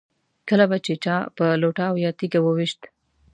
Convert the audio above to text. کله به چې چا په لوټه او یا تیږه و ویشت.